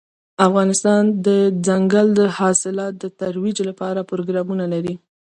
افغانستان د دځنګل حاصلات د ترویج لپاره پروګرامونه لري.